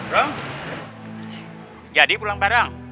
rum jadi pulang bareng